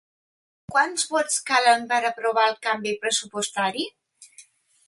Quants vots calen per a aprovar els canvi pressupostari?